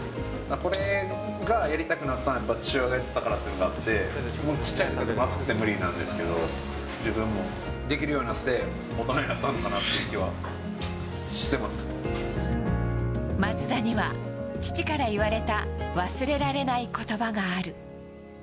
これがやりたくなったのはやっぱ父親がやってたからっていうのがあって、ちっちゃいときは、熱くて無理なんですけど、自分もできるようになって、大人になっ松田には父から言われた忘れられないことばがある。